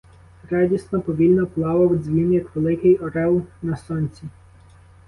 Радісно, повільно плавав дзвін, як великий орел на сонці.